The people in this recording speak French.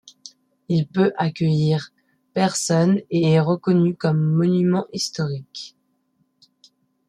Il peut accueillir personnes et est reconnu comme monument historique.